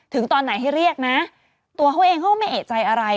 ตอนไหนให้เรียกนะตัวเขาเองเขาก็ไม่เอกใจอะไร